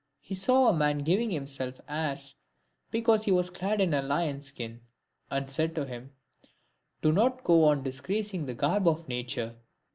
He saw a man giving himself airs because he was clad in a lion's skin, and said to him, " Do not go on disgracing the garb of nature."